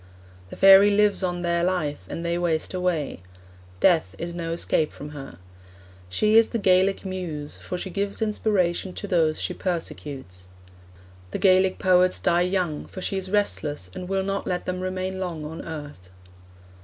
The fairy lives on their life, and they waste away. Death is no escape from her. She is the Gaelic muse, for she gives inspiration to those she persecutes. The Gaelic poets die young, for she is restless, and will not let them remain long on earth.'